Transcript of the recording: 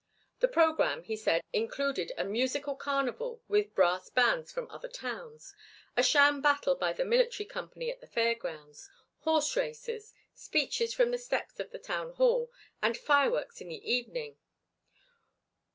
The programme, he said, included a musical carnival with brass bands from other towns, a sham battle by the military company at the fairgrounds, horse races, speeches from the steps of the town hall, and fireworks in the evening.